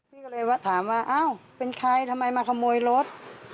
พี่ก็เลยถามว่าอ้าวเป็นใครทำไมมาขโมยรถ